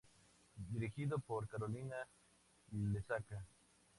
Dirigido por Carolina Lesaca.